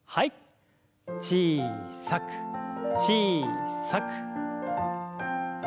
小さく小さく。